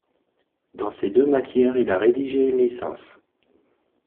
Dans ces deux matières il a rédigé une licence.